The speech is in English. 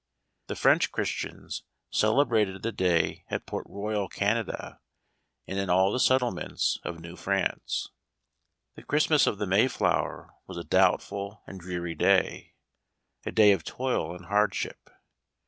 The French Christians cele brated the day at Port Royal, Canada, and in all the settlements of New France. The Christmas of the Mayflower was a doubtful and dreary day — a day of toil and hardship.